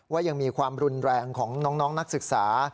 ยังมีความรุนแรงของน้องนักศึกษา